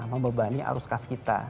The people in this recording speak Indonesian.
membebani arus cash kita